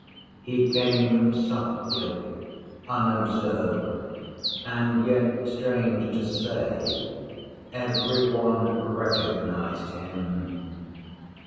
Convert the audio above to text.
"He came softly, unobserved, and yet, strange to say, every one recognized Him.